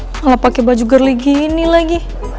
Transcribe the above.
malah pake baju girly gini leh